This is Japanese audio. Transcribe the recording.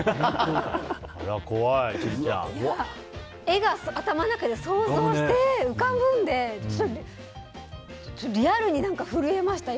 絵が頭で想像して浮かぶのでリアルに震えました、